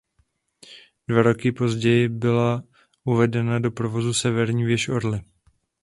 O dva roky později byla uvedena do provozu severní věž Orly.